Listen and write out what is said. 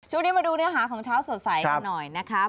ช่วงนี้มาดูเนื้อหาของเช้าสดใสกันหน่อยนะครับ